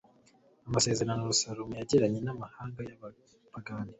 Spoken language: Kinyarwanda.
amasezerano salomo yagiranye n'amahanga y'abapagani